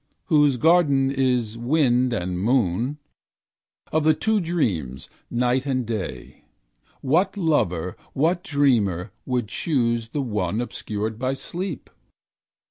Whose garden is wind and moon. Of the two dreams, night and day. What lover, what dreamer, would choose The one obscured by sleep?